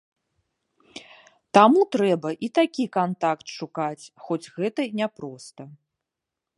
Таму трэба і такі кантакт шукаць, хоць гэта не проста.